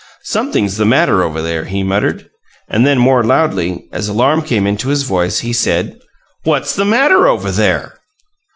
"Something's the matter over there," he muttered, and then, more loudly, as alarm came into his voice, he said, "What's the matter over there?"